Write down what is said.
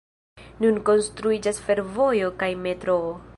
Nun konstruiĝas fervojo kaj metroo.